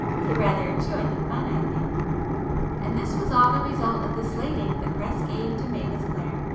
He rather enjoyed the fun I think!" And this was all the result of the 'slating' the press gave to Mavis Clare!